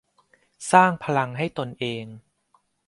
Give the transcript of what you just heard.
สร้างพลังให้ตนเอง